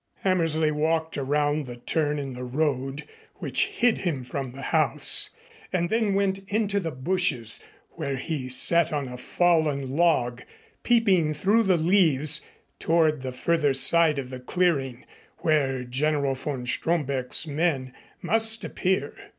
Hammersley walked around the turn in the road, which hid him from the house, and then went into the bushes where he sat on a fallen log, peeping through the leaves toward the further side of the clearing, where General von Stromberg's men must appear.